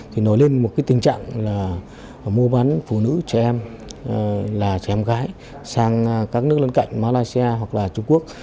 thì nổi lên một tình trạng là mùa bán phụ nữ trẻ em trẻ em gái sang các nước lân cạnh malaysia hoặc trung quốc